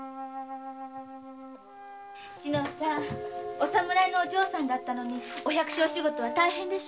お侍のお嬢さんだったのにお百姓仕事は大変でしょ？